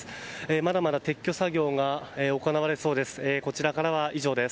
まだまだ撤去作業が行われそうです。